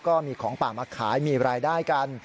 ก็มีของป่ามาขายมีรายได้กัน